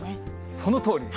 そのとおり。